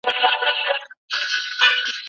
څه شی د راپورونو اعتبار زیاتوي؟